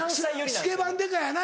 『スケバン刑事』やな